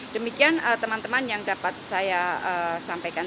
demikian teman teman yang dapat saya sampaikan